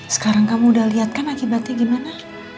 sekarang kamu udah lihat kan akibatnya gimana